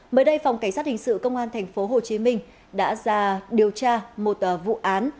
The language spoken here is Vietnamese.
mới đây phòng cảnh sát hình sự công an tp hcm đã ra điều tra một vụ án